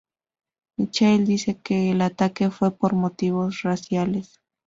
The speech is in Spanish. Michael dice que el ataque fue por motivos raciales.